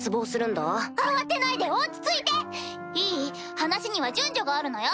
話には順序があるのよ！